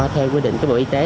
theo quy định của bộ y tế